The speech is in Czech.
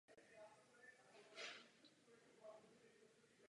Navrhuji, abyste si pročetla Jednací řád.